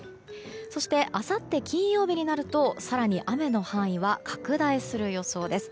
そしてあさって金曜日になると更に雨の範囲は拡大する予想です。